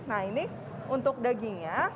nah ini untuk dagingnya